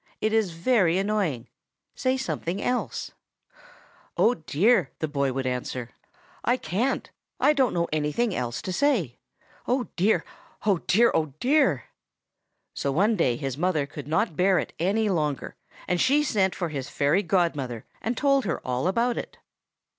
It is very annoying. Say something else.' "'Oh, dear!' the boy would answer, 'I can't! I don't know anything else to say. Oh, dear! oh, dear!! oh, dear!!!' "So one day his mother could not bear it any longer, and she sent for his fairy godmother, and told her all about it.